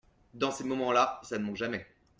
Dans ces moments-là, ça ne manque jamais…